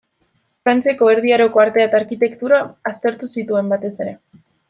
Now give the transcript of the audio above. Frantziako Erdi Aroko artea eta arkitektura aztertu zituen, batez ere.